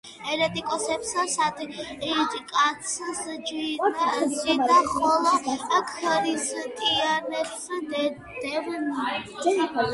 ერეტიკოსებს სასტიკად სჯიდა, ხოლო ქრისტიანებს დევნიდა.